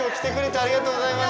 ありがとうございます！